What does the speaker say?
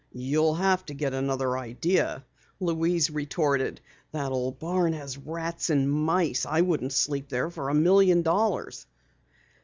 "You'll have to get another idea!" Louise retorted. "That old barn has rats and mice. I wouldn't sleep there for a million dollars."